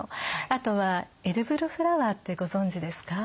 あとはエディブルフラワーってご存じですか？